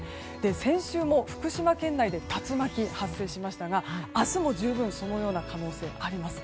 先週も福島県内で竜巻が発生しましたが明日も十分そのような可能性があります。